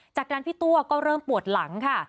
จากนั้นพี่ตัวก็เริ่มปวดหลังค่ะ